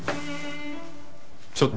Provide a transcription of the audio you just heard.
ちょっと！